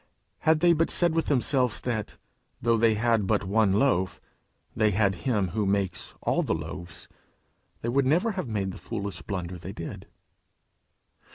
Had they but said with themselves that, though they had but one loaf, they had him who makes all the loaves, they would never have made the foolish blunder they did.